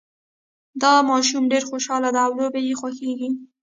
دا ماشوم ډېر خوشحاله ده او لوبې یې خوښیږي